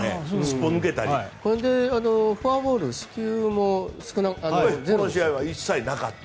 これでフォアボール、四球もこの試合は一切なかった。